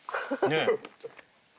ねえ。